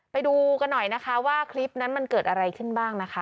ไปดูกันหน่อยนะคะว่าคลิปนั้นมันเกิดอะไรขึ้นบ้างนะคะ